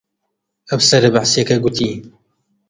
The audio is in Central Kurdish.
ئەفسەرە بەعسییەکە گوتی: